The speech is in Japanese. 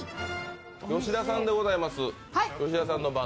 吉田さんでございます。